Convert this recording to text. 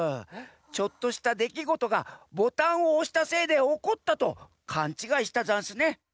ちょっとしたできごとがボタンをおしたせいでおこったとかんちがいしたざんすね。